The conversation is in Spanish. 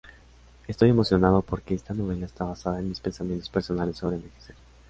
Estoy emocionado porque esta novela está basada en mis pensamientos personales sobre envejecer.